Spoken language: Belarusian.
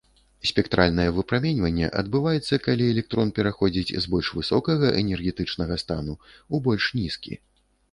Спектральнае выпраменьванне адбываецца, калі электрон пераходзіць з больш высокага энергетычнага стану ў больш нізкі.